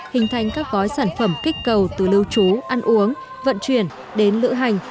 hình thành các gói sản phẩm kích cầu từ lưu trú ăn uống vận chuyển đến lựa hành